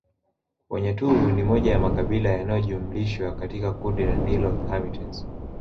Wanyaturu ni moja ya makabila yanayojumlishwa katika kundi la Nilo Hamites